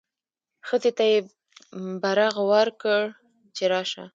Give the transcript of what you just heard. ښځې ته یې برغ وکړ چې راشه.